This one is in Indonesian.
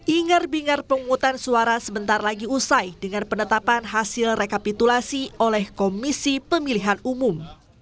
ingar bingar penghutang suara sebentar lagi usai dengan penetapan hasil rekapitulasi oleh komisi pemilihan umum